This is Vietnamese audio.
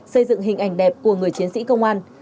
xây dựng hình ảnh đẹp của người chiến sĩ công an